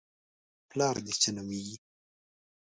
_پلار دې څه نومېږي؟